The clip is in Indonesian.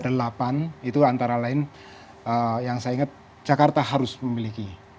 delapan itu antara lain yang saya ingat jakarta harus memiliki